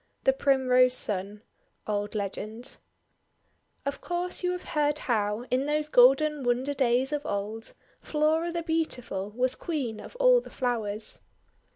THE PRIMROSE SON Old Legend OF course you have heard how, in those golden wonder days of old, Flora the Beautiful was Queen of all the Flowers.